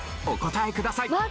お答えください。